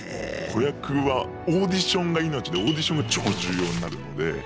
子役はオーディションが命でオーディションが超重要になるので。